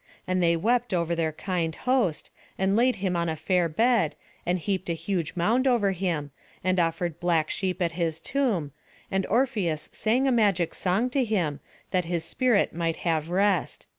And they wept over their kind host, and laid him on a fair bed, and heaped a huge mound over him, and offered black sheep at his tomb, and Orpheus sang a magic song to him, that his spirit might have rest.